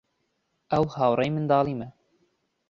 ئەو هاوڕێی منداڵیمە.